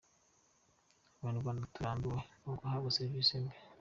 Abanyarwanda turambiwe no guhabwa Serivisi mbi